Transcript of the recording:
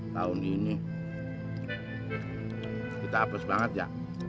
tahun ini kita hapus banget ya